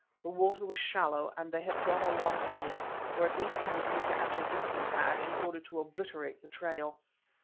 The water was shallow, and they had gone along in it, or at least Hendrika and her victim had, in order to obliterate the trail.